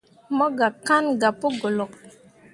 Mo kan gah pu golok.